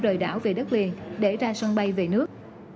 rời đảo về đất liền để ra sân bay về nước